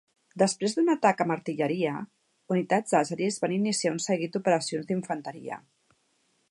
Després d'un atac amb artilleria, unitats àzeris van iniciar un seguit d'operacions d'infanteria.